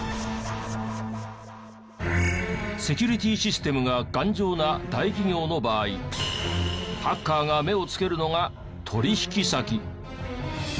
セキュリティーシステムが頑丈な大企業の場合ハッカーが目をつけるのが取引先。